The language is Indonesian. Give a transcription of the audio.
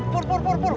pur pur pur pur